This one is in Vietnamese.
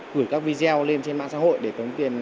gửi các video lên trên mạng xã hội để tống tiền